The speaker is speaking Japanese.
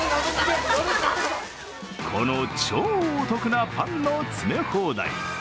この超お得なパンの詰め放題。